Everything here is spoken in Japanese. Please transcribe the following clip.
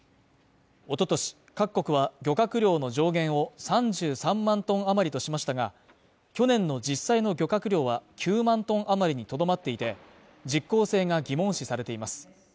おととし各国は漁獲量の上限を３３万トン余りとしましたが去年の実際の漁獲量は９万トン余りにとどまっていて、実効性が疑問視されています。